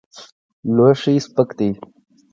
لوښی سپک دی.